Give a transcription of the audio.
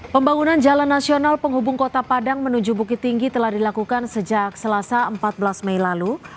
pembangunan jalan nasional penghubung kota padang menuju bukit tinggi telah dilakukan sejak selasa empat belas mei lalu